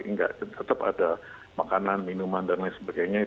nggak tetap ada makanan minuman dan lain sebagainya